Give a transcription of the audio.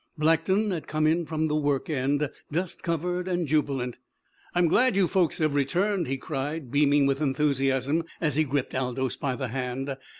Blackton had come in from the work end, dust covered and jubilant. "I'm glad you folks have returned," he cried, beaming with enthusiasm as he gripped Aldous by the hand.